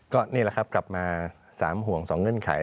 ก็นี่แหละครับกลับมา๓ห่วง๒เงื่อนไข